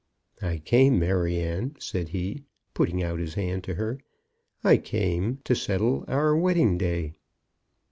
"I came, Maryanne," said he, putting out his hand to her, "I came to settle our wedding day."